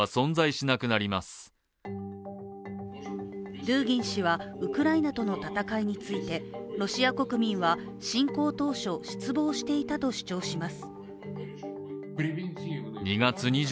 ドゥーギン氏はウクライナとの戦いについてロシア国民は侵攻当初失望していたと主張します。